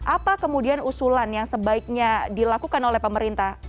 apa kemudian usulan yang sebaiknya dilakukan oleh pemerintah